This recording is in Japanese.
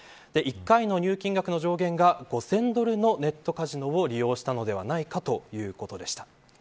１回の入金額の上限が５０００ドルのネットカジノを利用したのではないかということでした。